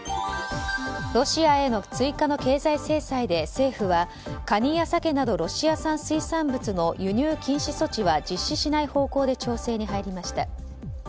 ロシアへの追加の経済制裁で政府はカニやサケなどロシア産水産物の輸入禁止措置は実施しない方向で調整に入りました。